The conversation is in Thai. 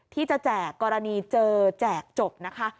แจกกรณีเจอแจกจบนะคะ